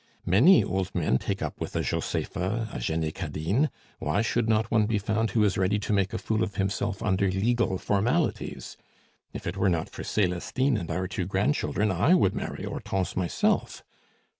Many old men take up with a Josepha, a Jenny Cadine, why should not one be found who is ready to make a fool of himself under legal formalities? If it were not for Celestine and our two grandchildren, I would marry Hortense myself.